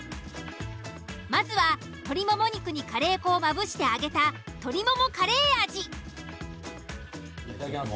まずは鶏もも肉にカレー粉をまぶして揚げたいただきます。